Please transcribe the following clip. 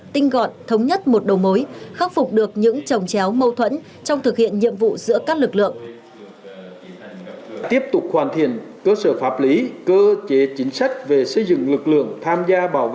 tinh gọn thống nhất một đầu mối khắc phục được những trồng chéo mâu thuẫn trong thực hiện nhiệm vụ giữa các lực lượng